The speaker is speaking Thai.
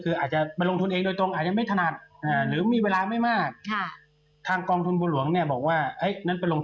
แต่พอรับได้อย่างนี้เรามีอะไรแนะนำ